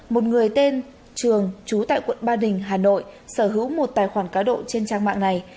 một người tên trường trú tại quận ba đình hà nội sở hữu một tài khoản cá độ trên trang mạng này